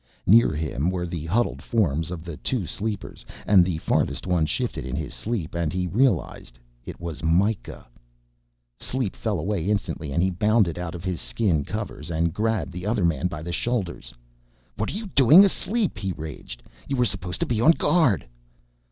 Near him were the huddled forms of the two sleepers and the farthest one shifted in his sleep and he realized it was Mikah. Sleep fell away instantly and he bounded out of his skin covers and grabbed the other man by the shoulders. "What are you doing asleep?" he raged. "You were supposed to be on guard."